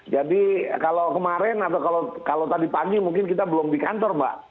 jadi kalau kemarin atau kalau tadi pagi mungkin kita belum di kantor mbak